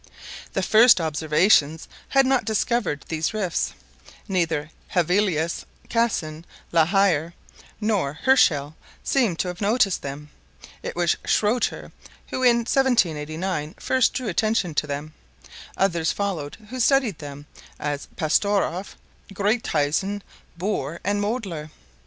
The first observations had not discovered these rifts. Neither Hévelius, Cassin, La Hire, nor Herschel seemed to have known them. It was Schroeter who in 1789 first drew attention to them. Others followed who studied them, as Pastorff, Gruithuysen, Boeer, and Moedler.